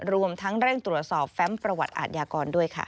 รวมทั้งเร่งตรวจสอบแฟมประวัติอาทยากรด้วยค่ะ